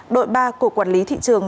đội ba của quản lý thị trường